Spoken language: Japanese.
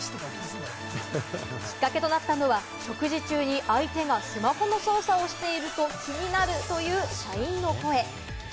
きっかけとなったのは、食事中に相手がスマホの操作をしていると気になるという社員の声。